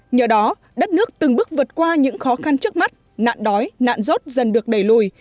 nhờ đó đất nước từng bước vượt qua những khó khăn trước mắt nạn đói nạn rốt dần được đẩy lùi